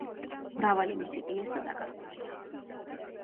მრავალი მისი პიესა დაკარგულია.